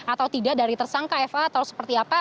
atau tidak dari tersangka fa atau seperti apa